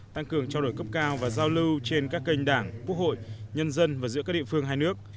tăng cường trao đổi cấp cao và giao lưu trên các kênh đảng quốc hội nhân dân và giữa các địa phương hai nước